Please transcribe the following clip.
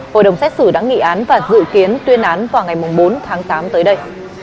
hội đồng xét xử đã nghị án và dự kiến tuyên án vào ngày bốn tháng tám tới đây